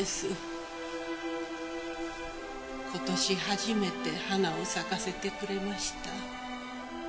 今年初めて花を咲かせてくれました。